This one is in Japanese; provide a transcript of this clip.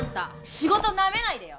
仕事なめないでよ。